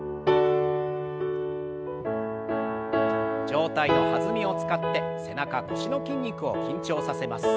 上体の弾みを使って背中腰の筋肉を緊張させます。